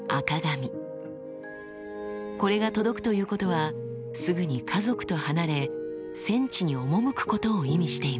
これが届くということはすぐに家族と離れ戦地に赴くことを意味していました。